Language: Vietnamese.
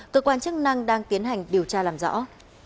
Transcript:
cơ quan chức năng đang tiến hành điều tra làm rõ